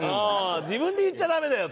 自分で言っちゃダメだよって。